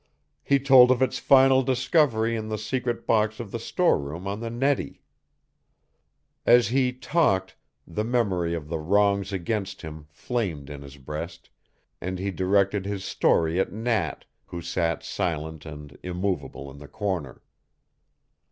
He told of its final discovery in the secret box of the storeroom on the Nettie. As he talked the memory of the wrongs against him flamed in his breast, and he directed his story at Nat, who sat silent and immovable in the corner.